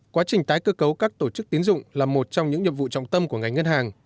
quá trình tái cơ cấu các tổ chức tín dụng là một trong những nhiệm vụ trọng tâm của ngành ngân hàng